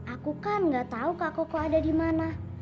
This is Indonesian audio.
aku kan gak tau kak koko ada dimana